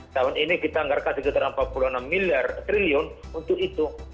tahun ini kita anggarkan sekitar empat puluh enam miliar untuk itu